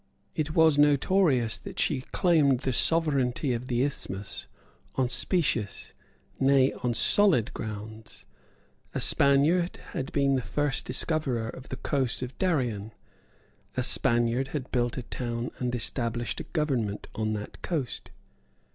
It was notorious that she claimed the sovereignty of the isthmus on specious, nay, on solid, grounds. A Spaniard had been the first discoverer of the coast of Darien. A Spaniard had built a town and established a government on that coast.